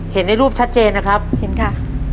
เห็นในรูปชัดเจนนะครับเห็นค่ะ